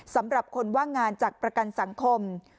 สำหรับคนว่างงานจากประกันสังคม